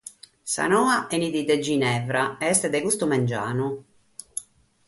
Sa noa benit dae Ginevra e est de custu mangianu.